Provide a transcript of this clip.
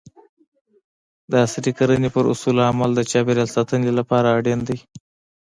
د عضوي کرنې پر اصولو عمل د چاپیریال ساتنې لپاره اړین دی.